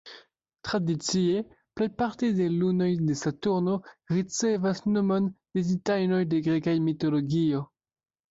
Tradicie, plejparte de lunoj de Saturno ricevas nomon de titanoj de greka mitologio.